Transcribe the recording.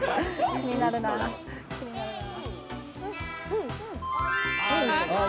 気になるなぁ。